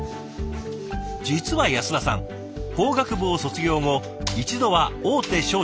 実は安田さん法学部を卒業後一度は大手商社に就職。